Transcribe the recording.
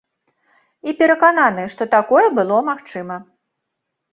І перакананы, што такое было магчыма.